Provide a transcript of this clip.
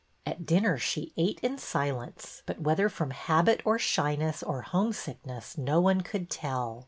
At dinner she ate in silence, but whether from habit or shyness or homesickness no one could tell.